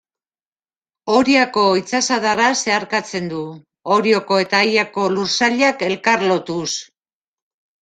Oriako itsasadarra zeharkatzen du, Orioko eta Aiako lursailak elkarlotuz.